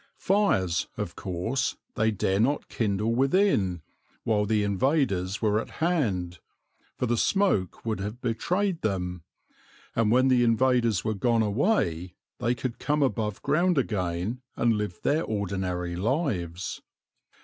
Fires, of course, they dare not kindle within, while the invaders were at hand, for the smoke would have betrayed them; and when the invaders were gone away they could come above ground again and live their ordinary lives.